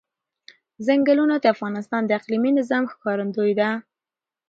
ځنګلونه د افغانستان د اقلیمي نظام ښکارندوی ده.